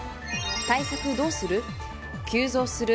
対策どうする？